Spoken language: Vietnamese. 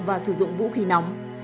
và sử dụng vũ khí nóng